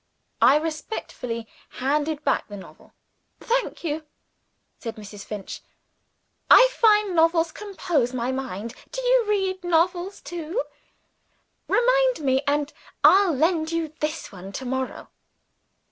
I respectfully handed back the novel. "Thank you," said Mrs. Finch. "I find novels compose my mind. Do you read novels too? Remind me and I'll lend you this one to morrow."